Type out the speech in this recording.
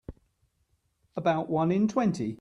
About one in twenty.